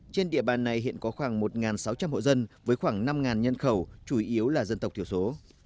trên địa bàn này hiện có khoảng một sáu trăm linh hộ dân với khoảng năm nhân khẩu chủ yếu là dân tộc thiểu số